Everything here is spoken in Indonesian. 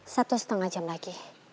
satu setengah jam lagi